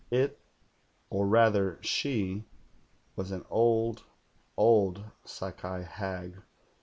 It, or rather she, was an old, old Sakai hag.